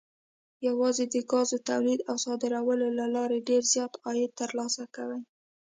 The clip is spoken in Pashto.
یوازې د ګازو تولید او صادرولو له لارې ډېر زیات عاید ترلاسه کوي.